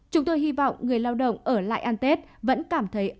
chúng tôi hy vọng người lao động ở lại ăn tết vẫn cảm thấy ấm áp